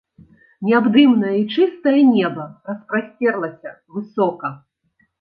Неабдымнае і чыстае неба распасцерлася высока.